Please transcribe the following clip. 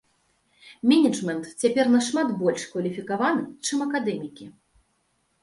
Менеджмент цяпер нашмат больш кваліфікаваны, чым акадэмікі.